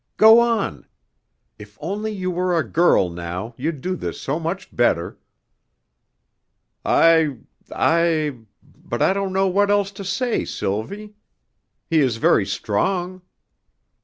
"Go on. If only you were a girl, now, you'd do this so much better." "I I but I don't know what else to say, Sylvie. He is very strong."